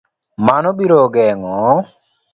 Mano biro geng'o